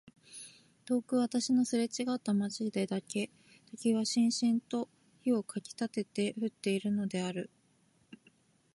遠く私のすれちがった街でだけ時はしんしんと火をかきたてて降っているのである。